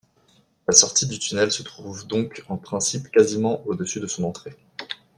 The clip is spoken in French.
La sortie du tunnel se trouve donc en principe quasiment au-dessus de son entrée.